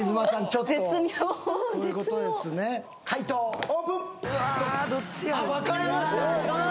ちょっと解答オープン分かれました